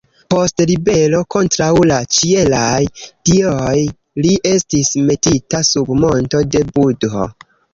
Post ribelo kontraŭ la ĉielaj dioj li estis metita sub monto de Budho.